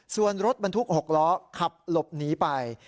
ส่วนรถบรรทุก๖ล้อขับหลบหนีไป